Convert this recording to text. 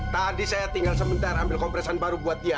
tadi saya tinggal sementara ambil kompresan baru buat dia